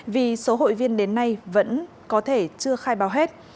vì số hội viên đến nay vẫn có thể chưa khai báo hết